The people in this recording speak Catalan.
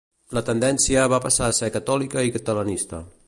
La tendència va passar a ser catòlica i catalanista.